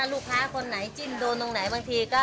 คิกคิกคิกคิกคิกคิกคิก